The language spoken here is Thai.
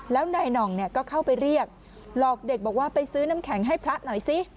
แล้วนายหน่องเนี่ยก็เข้าไปเรียกหลอกเด็กบอกว่าไปซื้อน้ำแข็งให้พระหน่อยสิ